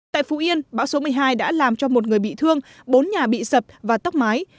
tại phú yên bão số một mươi hai đã làm cho một người bị thương bốn nhà bị sập và tốc mái